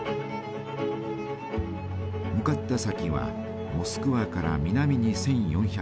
向かった先はモスクワから南に１，４００キロ。